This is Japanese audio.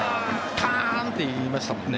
カーン！っていいましたもんね。